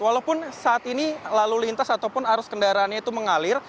walaupun saat ini lalu lintas ataupun arus kendaraannya itu mengalir